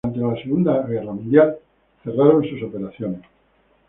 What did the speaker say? Durante la Segunda Guerra Mundial cerraron sus operaciones.